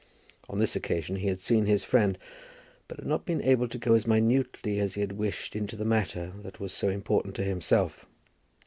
On this occasion he had seen his friend, but had not been able to go as minutely as he had wished into the matter that was so important to himself.